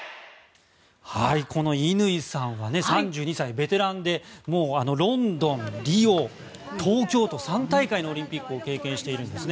この乾さんは３２歳ベテランでロンドン、リオ、東京と３大会でオリンピックを経験しているんです。